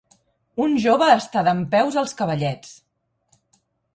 Un jove està dempeus als cavallets.